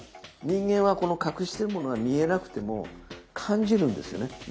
人間は隠してるものが見えなくても感じるんですよね。